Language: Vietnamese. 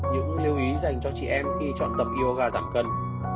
những lưu ý dành cho chị em khi chọn tầm yoga giảm cân